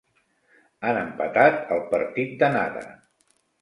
Han empatat el partit d'anada.